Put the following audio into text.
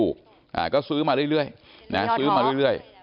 ก็ซื้อมาเรื่อย